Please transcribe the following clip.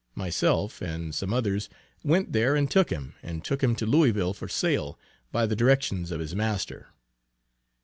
Myself and some others went there and took him, and took him to Louisville for sale, by the directions of his master.